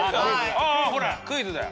ああほらクイズだよ。